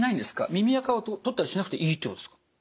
耳あかを取ったりしなくていいってことですか？